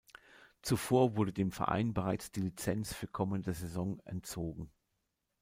Zuvor wurde dem Verein bereits die Lizenz für kommende Saison entzogen.